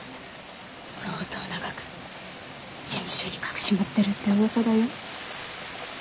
相当な額事務所に隠し持ってるってうわさだよ。